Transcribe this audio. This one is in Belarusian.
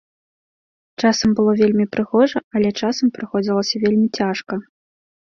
Часам было вельмі прыгожа, але часам прыходзілася вельмі цяжка.